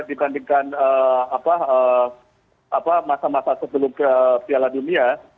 dibandingkan masa masa sebelum piala dunia